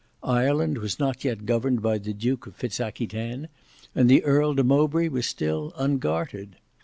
Ireland was not yet governed by the Duke of Fitz Aquitaine, and the Earl de Mowbray was still ungartered.